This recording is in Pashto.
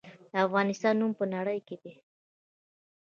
د افغانستان نوم په نړۍ کې دی